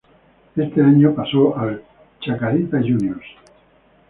Ese año pasó al Chacarita Juniors.